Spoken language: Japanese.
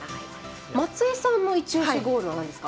松井さんのいち押しゴールはなんですか。